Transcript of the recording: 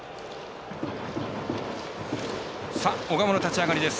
小川の立ち上がりです。